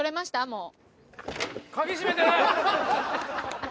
もう。